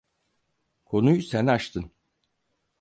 Konuyu sen açtın.